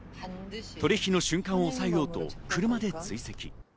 取引の瞬間をおさえようと、車で追跡。